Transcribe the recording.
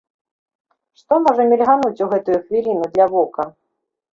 Што можа мільгануць у гэтую хвіліну для вока?